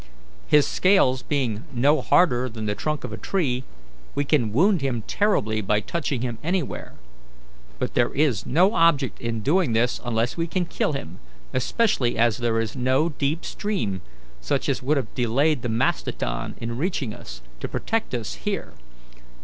His scales being no harder than the trunk of a tree, we can wound him terribly by touching him anywhere; but there is no object in doing this unless we can kill him, especially as there is no deep stream, such as would have delayed the mastodon in reaching us, to protect us here.